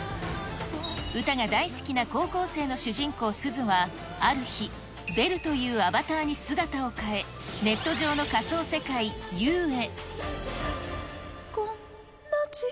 歌が大好きな高校生の主人公、すずは、ある日、ベルというアバターに姿を変え、ネット上の仮想世界、Ｕへ。